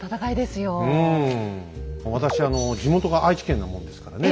私あの地元が愛知県なもんですからね